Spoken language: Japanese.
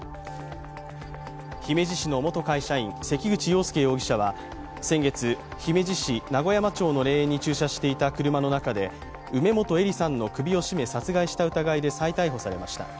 姫路市の元会社員、関口羊佑容疑者は先月、姫路市名古山町の霊園に駐車していた車の中で梅本依里さんの首を絞め殺害した疑いで再逮捕されました。